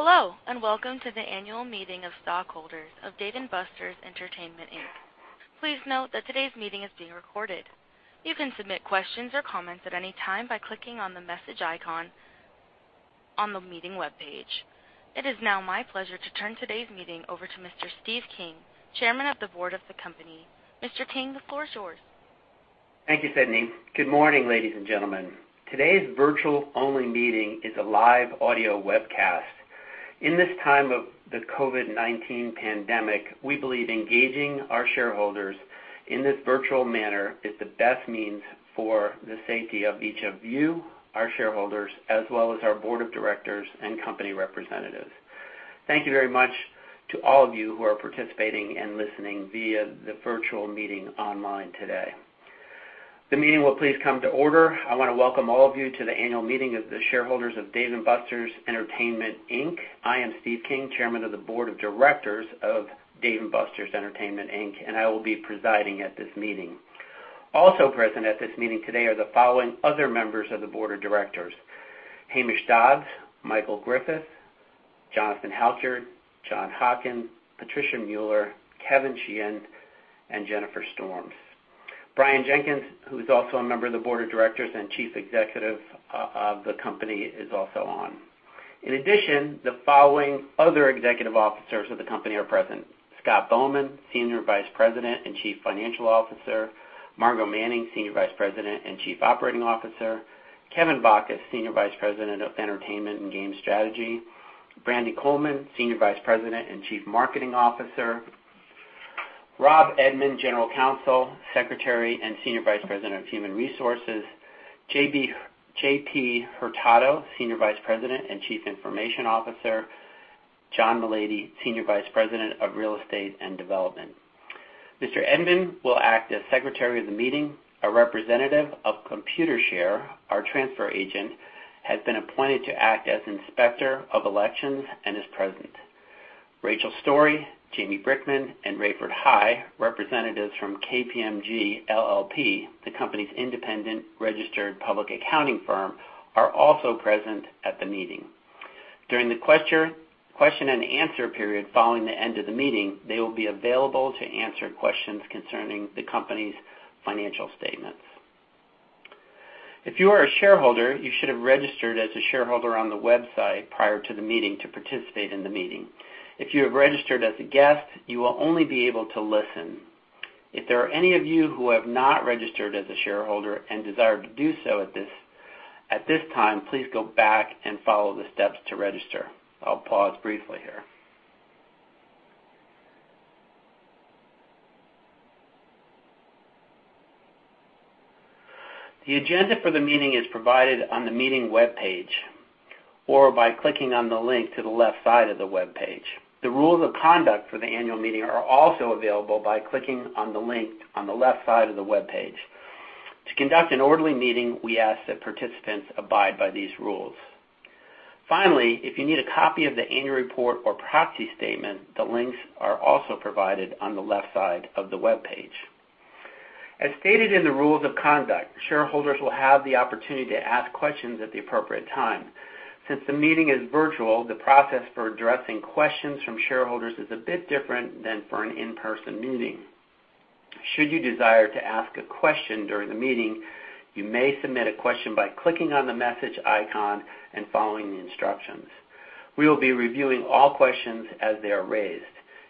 Hello, and welcome to the Annual Meeting of Stockholders of Dave & Buster's Entertainment Inc. Please note that today's meeting is being recorded. You can submit questions or comments at any time by clicking on the message icon on the meeting webpage. It is now my pleasure to turn today's meeting over to Mr. Steve King, Chairman of the Board of the company. Mr. King, the floor is yours. Thank you, Sydney. Good morning, ladies and gentlemen. Today's virtual-only meeting is a live audio webcast. In this time of the COVID-19 pandemic, we believe engaging our shareholders in this virtual manner is the best means for the safety of each of you, our shareholders, as well as our Board of Directors and company representatives. Thank you very much to all of you who are participating and listening via the virtual meeting online today. The meeting will please come to order. I want to welcome all of you to the Annual Meeting of the Shareholders of Dave & Buster's Entertainment Inc. I am Steve King, Chairman of the Board of Directors of Dave & Buster's Entertainment Inc., and I will be presiding at this meeting. Also present at this meeting today are the following other members of the Board of Directors: Hamish Dodds, Michael Griffith, Jonathan Halkyard, John Hockin, Patricia Mueller, Kevin Sheehan, and Jennifer Storms. Brian Jenkins, who's also a member of the Board of Directors and Chief Executive of the company is also on. In addition, the following other Executive Officers of the company are present: Scott Bowman, Senior Vice President and Chief Financial Officer. Margo Manning, Senior Vice President and Chief Operating Officer. Kevin Bachus, Senior Vice President of Entertainment and Game Strategy. Brandon Coleman, Senior Vice President and Chief Marketing Officer. Rob Edmund, General Counsel, Secretary, and Senior Vice President of Human Resources. J.P. Hurtado, Senior Vice President and Chief Information Officer. John Mulleady, Senior Vice President of Real Estate and Development. Mr. Edmund will act as Secretary of the meeting. A representative of Computershare, our transfer agent, has been appointed to act as Inspector of Elections and is present. Rachel Story, Jamie Brickman, and Rayford High, representatives from KPMG LLP, the company's independent registered public accounting firm, are also present at the meeting. During the question-and-answer period following the end of the meeting, they will be available to answer questions concerning the company's financial statements. If you are a shareholder, you should have registered as a shareholder on the website prior to the meeting to participate in the meeting. If you have registered as a guest, you will only be able to listen. If there are any of you who have not registered as a shareholder and desire to do so at this time, please go back and follow the steps to register. I'll pause briefly here. The agenda for the meeting is provided on the meeting webpage or by clicking on the link to the left side of the webpage. The rules of conduct for the annual meeting are also available by clicking on the link on the left side of the webpage. To conduct an orderly meeting, we ask that participants abide by these rules. Finally, if you need a copy of the Annual Report or Proxy Statement, the links are also provided on the left side of the webpage. As stated in the rules of conduct, shareholders will have the opportunity to ask questions at the appropriate time. Since the meeting is virtual, the process for addressing questions from shareholders is a bit different than for an in-person meeting. Should you desire to ask a question during the meeting, you may submit a question by clicking on the message icon and following the instructions. We will be reviewing all questions as they are raised.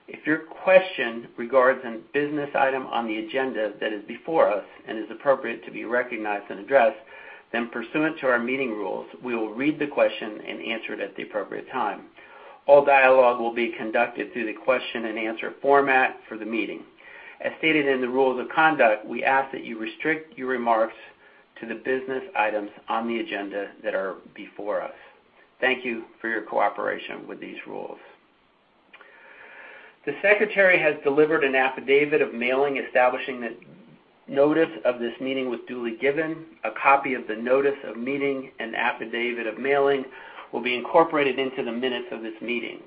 If your question regards a business item on the agenda that is before us and is appropriate to be recognized and addressed, then pursuant to our meeting rules, we will read the question and answer it at the appropriate time. All dialogue will be conducted through the question-and-answer format for the meeting. As stated in the rules of conduct, we ask that you restrict your remarks to the business items on the agenda that are before us. Thank you for your cooperation with these rules. The secretary has delivered an Affidavit of Mailing establishing that Notice of this Meeting was duly given. A copy of the Notice of Meeting and Affidavit of Mailing will be incorporated into the minutes of this meeting.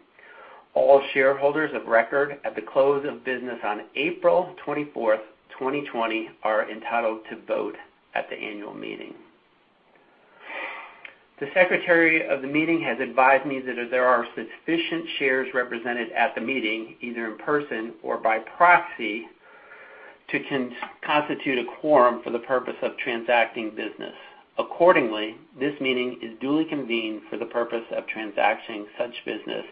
All shareholders of record at the close of business on April 24th, 2020, are entitled to vote at the annual meeting. The secretary of the meeting has advised me that there are sufficient shares represented at the meeting, either in person or by proxy, to constitute a quorum for the purpose of transacting business. Accordingly, this meeting is duly convened for the purpose of transacting such business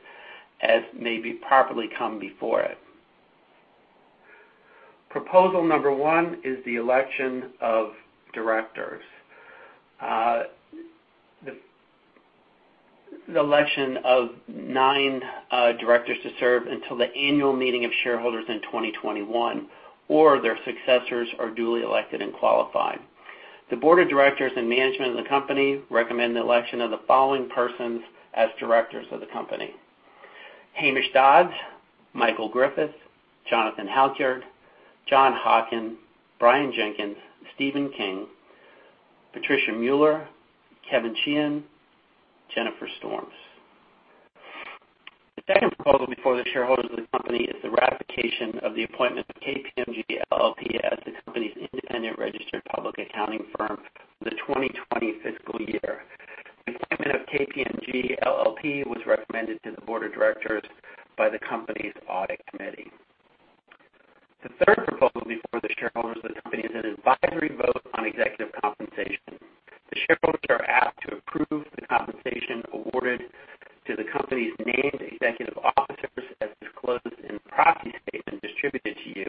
as may be properly come before it. Proposal number one is the election of nine directors to serve until the annual meeting of shareholders in 2021 or their successors are duly elected and qualified. The Board of Directors and management of the Company recommend the election of the following persons as directors of the company: Hamish Dodds, Michael Griffith, Jonathan Halkyard, John Hockin, Brian Jenkins, Stephen King, Patricia Mueller, Kevin Sheehan, Jennifer Storms. The second proposal before the shareholders of the company is the ratification of the appointment of KPMG LLP as the company's independent registered public accounting firm for the 2020 fiscal year. The appointment of KPMG LLP was recommended to the Board of Directors by the company's audit committee. The third proposal before the shareholders of the company is an advisory vote on executive compensation. The shareholders are asked to approve the compensation awarded to the company's named executive officers as disclosed in the Proxy Statement distributed to you,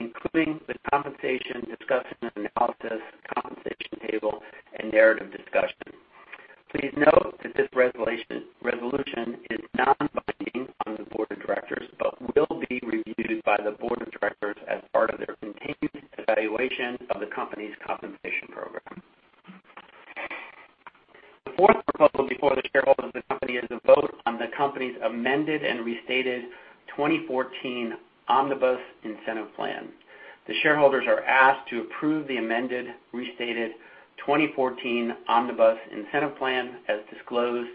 including the compensation discussion and analysis, compensation table, and narrative discussion. Please note that this resolution is non-binding on the Board of Directors but will be reviewed by the Board of Directors as part of their continued evaluation of the company's compensation program. The fourth proposal before the shareholders of the company is a vote on the company's amended and restated 2014 Omnibus Incentive Plan. The shareholders are asked to approve the amended, restated 2014 Omnibus Incentive Plan as disclosed,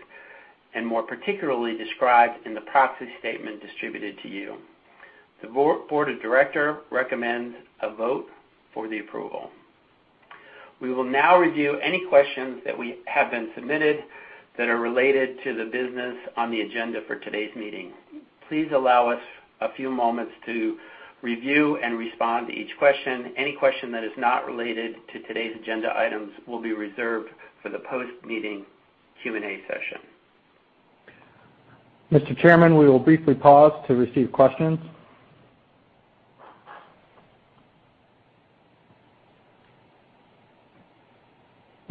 and more particularly described in the Proxy Statement distributed to you. The Board of Directors recommends a vote for the approval. We will now review any questions that have been submitted that are related to the business on the agenda for today's meeting. Please allow us a few moments to review and respond to each question. Any question that is not related to today's agenda items will be reserved for the post-meeting Q&A session. Mr. Chairman, we will briefly pause to receive questions.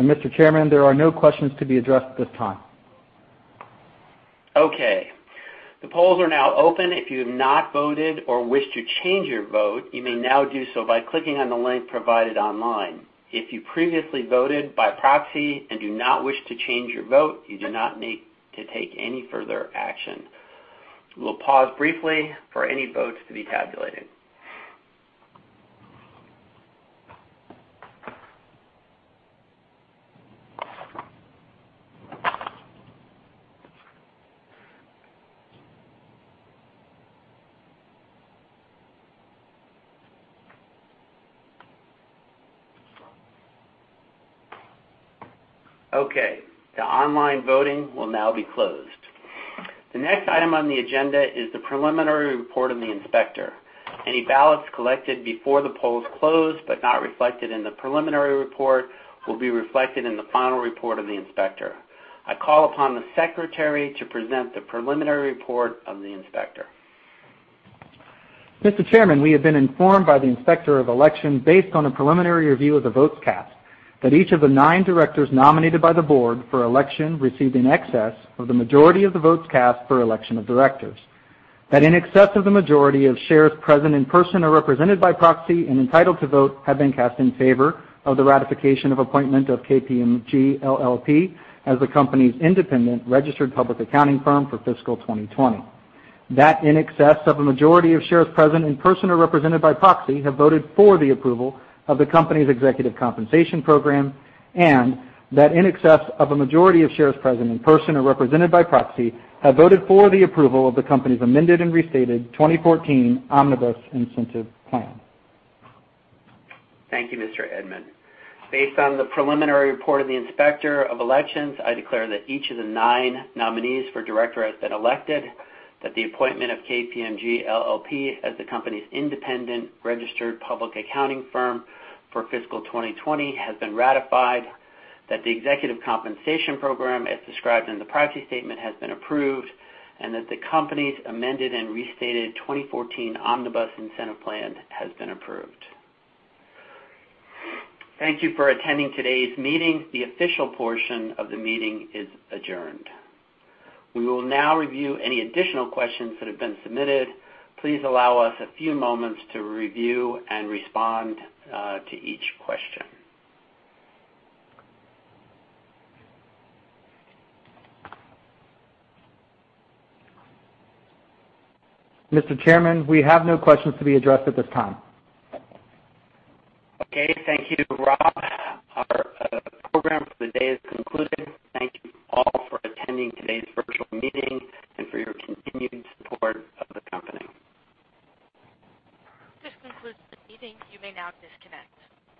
Mr. Chairman, there are no questions to be addressed at this time. Okay. The polls are now open. If you have not voted or wish to change your vote, you may now do so by clicking on the link provided online. If you previously voted by proxy and do not wish to change your vote, you do not need to take any further action. We'll pause briefly for any votes to be tabulated. Okay. The online voting will now be closed. The next item on the agenda is the Preliminary Report of the Inspector. Any ballots collected before the polls closed but not reflected in the Preliminary Report will be reflected in the final report of the Inspector. I call upon the secretary to present the Preliminary Report of the Inspector. Mr. Chairman, we have been informed by the Inspector of Election, based on a preliminary review of the votes cast, that each of the nine directors nominated by the board for election received in excess of the majority of the votes cast for election of directors. That in excess of the majority of shares present in person or represented by proxy and entitled to vote have been cast in favor of the ratification of appointment of KPMG LLP as the company's independent registered public accounting firm for fiscal 2020. That in excess of a majority of shares present in person or represented by proxy have voted for the approval of the company's executive compensation program, and that in excess of a majority of shares present in person or represented by proxy have voted for the approval of the company's amended and restated 2014 Omnibus Incentive Plan. Thank you, Mr. Edmund. Based on the Preliminary Report of the Inspector of Elections, I declare that each of the nine nominees for director has been elected, that the appointment of KPMG LLP as the company's independent registered public accounting firm for fiscal 2020 has been ratified, that the executive compensation program as described in the Proxy Statement has been approved, and that the company's amended and restated 2014 Omnibus Incentive Plan has been approved. Thank you for attending today's meeting. The official portion of the meeting is adjourned. We will now review any additional questions that have been submitted. Please allow us a few moments to review and respond to each question. Mr. Chairman, we have no questions to be addressed at this time. Okay. Thank you, Rob. Our program for the day is concluded. Thank you all for attending today's virtual meeting and for your continued support of the company. This concludes the meeting. You may now disconnect.